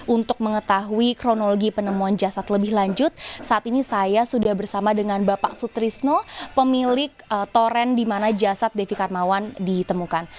untuk mengetahui kronologi penemuan jasad lebih lanjut saat ini saya sudah bersama dengan bapak sutrisno pemilik toren di mana jasad devi karmawan ditemukan